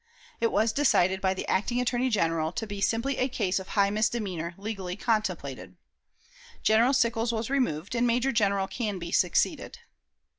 It was decided by the acting Attorney General to be "simply a case of a high misdemeanor, legally contemplated." General Sickles was removed, and Major General Canby succeeded.